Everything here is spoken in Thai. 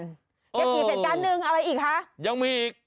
เรียบรีบเศรษฐการณ์หนึ่งอะไรอีกฮะยังมีอีก